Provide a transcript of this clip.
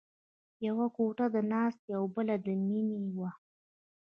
یوه کوټه د ناستې او بله د مینې وه